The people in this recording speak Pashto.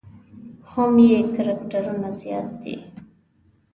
هم یې کرکټرونه زیات دي.